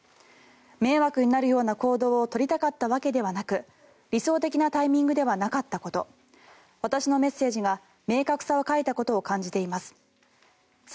迷惑になるような行動を取りたかったわけではなく理想的なタイミングではなかったこと私のメッセージが明確さを欠いたことを感じています。